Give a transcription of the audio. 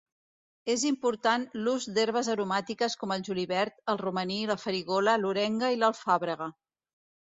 És important l'ús d'herbes aromàtiques com el julivert, el romaní, la farigola, l'orenga i l'alfàbrega.